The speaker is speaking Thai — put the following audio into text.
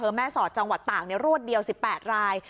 แม่สอดจังหวัดตากรวดเดียว๑๘ราย